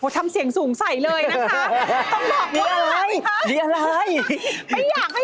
ทำเสียงสูงใสเลยนะคะ